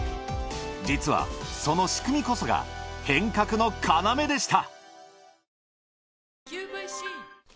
実はその仕組みこそが変革の要でした。